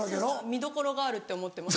見どころがあるって思ってます。